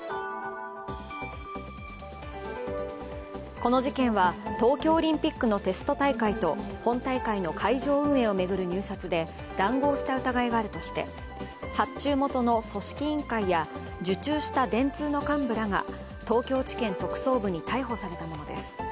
この事件は東京オリンピックのテスト大会と本大会の会場運営を巡る入札で談合した疑いがあるとして発注元の組織委員会や受注した電通の幹部らが東京地検特捜部に逮捕されたものです。